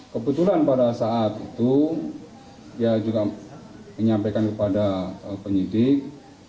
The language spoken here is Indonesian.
kebetulan pada saat itu dia juga menyampaikan kepada penyidik